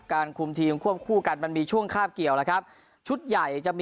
คุมทีมควบคู่กันมันมีช่วงคาบเกี่ยวแล้วครับชุดใหญ่จะมี